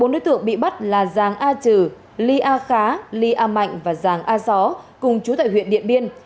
bốn đối tượng bị bắt là giàng a trừ ly a khá ly a mạnh và giàng a gió cùng chú tại huyện điện biên